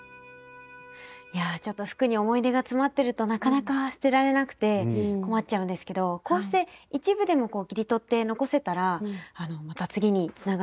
いやちょっと服に思い出が詰まってるとなかなか捨てられなくて困っちゃうんですけどこうして一部でも切り取って残せたらまた次につながりますよね。